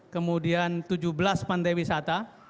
kemudian tujuh belas pantai wisata